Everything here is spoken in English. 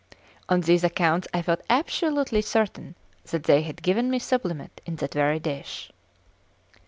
On these accounts I felt absolutely certain that they had given me sublimate in that very dish.